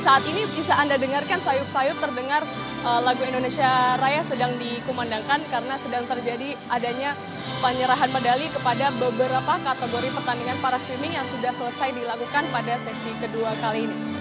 saat ini bisa anda dengarkan sayup sayup terdengar lagu indonesia raya sedang dikumandangkan karena sedang terjadi adanya penyerahan medali kepada beberapa kategori pertandingan para swimming yang sudah selesai dilakukan pada sesi kedua kali ini